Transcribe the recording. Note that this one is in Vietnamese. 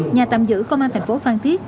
nhà tạm giữ công an tp phan tiết